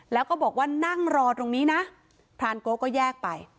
แล้วก็บอกว่านั่งรอตรงนี้นะพรานโกะก็แยกไป